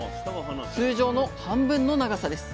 通常の半分の長さです。